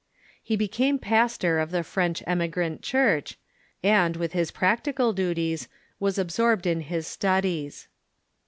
He became pastor of the French Emigrant Church, and, with his practical duties, was absorbed in his studies.